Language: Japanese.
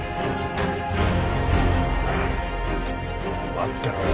待ってろよ。